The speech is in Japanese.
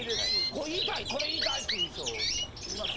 これ言いたいこれ言いたいっていう人います？